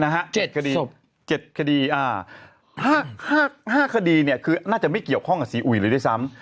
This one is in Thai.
๗คดี๕คดีคือน่าจะไม่เกี่ยวข้องกับซีอุยเลยด้วยซ้ำ